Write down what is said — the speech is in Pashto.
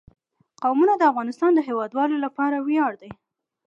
قومونه د افغانستان د هیوادوالو لپاره ویاړ دی.